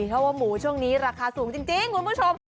ของหมูช่วงนี้ราคาสูงจริงขอบคุณผู้ชม